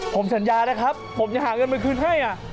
ผมสัญญานะครับผมจะหาเงินมาคืนให้